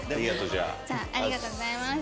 じゃあありがとうございます。